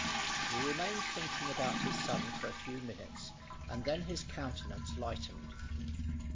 He remained thinking about his son for a few minutes and then his countenance lightened.